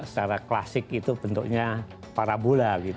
secara klasik itu bentuknya parabola